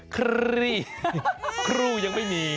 ครูครูยังไม่มี